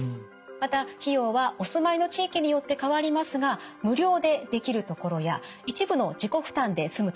また費用はお住まいの地域によって変わりますが無料でできるところや一部の自己負担で済むところが多いです。